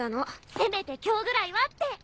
「せめて今日ぐらいは」って。